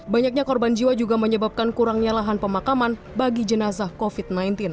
banyaknya korban jiwa juga menyebabkan kurangnya lahan pemakaman bagi jenazah covid sembilan belas